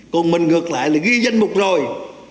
còn mình ngược lại là ghi danh mục rồi